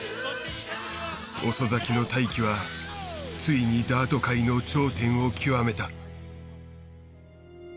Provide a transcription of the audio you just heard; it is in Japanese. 遅咲きの大器はついにダート界の頂点を極めた。